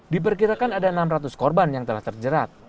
diperkirakan ada enam ratus korban yang telah terjerat